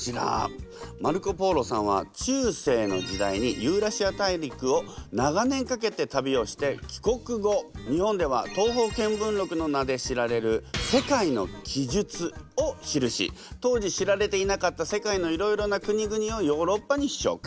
マルコ・ポーロさんは中世の時代にユーラシア大陸を長年かけて旅をして帰国後日本では「東方見聞録」の名で知られる「世界の記述」を記し当時知られていなかった世界のいろいろな国々をヨーロッパに紹介。